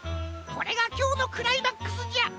これがきょうのクライマックスじゃ！